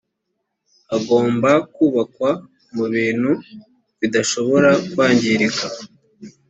hagomba kubakwa mu bintu bidashobora kwangirika.